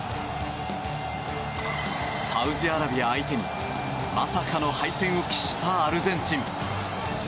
サウジアラビア相手にまさかの敗戦を喫したアルゼンチン。